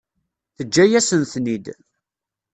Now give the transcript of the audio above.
Teǧǧa-yasen-ten-id.